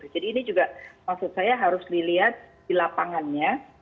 jadi ini juga maksud saya harus dilihat di lapangannya